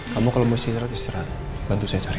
kamu kalau mau istirahat istirahat bantu saya cari